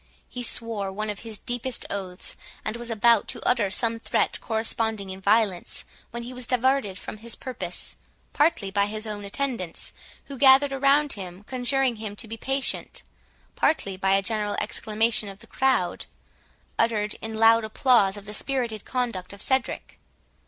He swore one of his deepest oaths, and was about to utter some threat corresponding in violence, when he was diverted from his purpose, partly by his own attendants, who gathered around him conjuring him to be patient, partly by a general exclamation of the crowd, uttered in loud applause of the spirited conduct of Cedric.